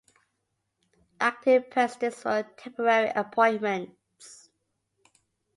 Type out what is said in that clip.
Acting presidents were temporary appointments.